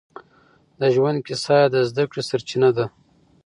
د ژوند کيسه يې د زده کړې سرچينه ده.